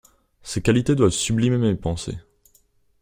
Ses qualités doivent sublimer mes pensées.